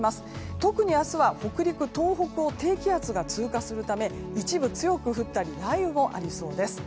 特に明日は北陸、東北を低気圧が通過するため一部、強く降ったり雷雨もありそうです。